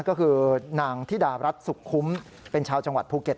ก็คือนางธิดารัฐสุขคุ้มเป็นชาวจังหวัดภูเก็ต